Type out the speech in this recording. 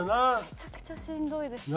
めちゃくちゃしんどいです。